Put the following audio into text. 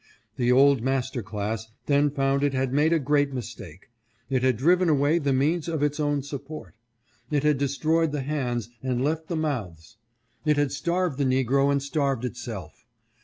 The old master class then found it had made a great mistake. It had driven away the means of its own support. It had destroyed the hands, and left the mouths. It had starved the negro and starved itself.